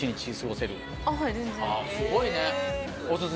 すごいね。